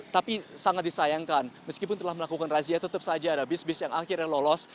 tapi sangat disayangkan meskipun telah melakukan razia tetap saja ada bis bis yang akhirnya lolos